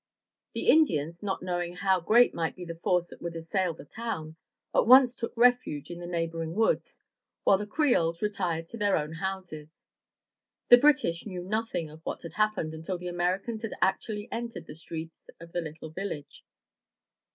The Indians, not knowing how great might be the force that would assail the town, at once took refuge in the neighboring woods, while the Creoles retired to their own houses. The British knew nothing of what had happened until the Americans had actually entered the streets of the little village.